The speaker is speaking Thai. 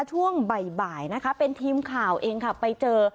ช่วงบ่ายเป็นทีมข่าวเองเข้าไปเจอ